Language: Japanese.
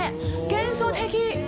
幻想的！